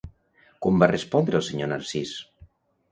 Com va respondre el senyor Narcís?